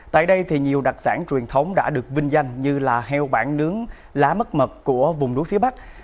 tại đây nhiều đặc sản truyền thống đã được vinh danh như heo bản nướng lá mất mật của vùng núi phía bắc